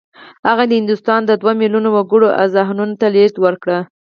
هغه د هندوستان د دوه میلیونه وګړو اذهانو ته لېږد ورکړ